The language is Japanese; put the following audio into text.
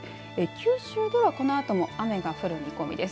九州ではこのあとも雨が降る見込みです。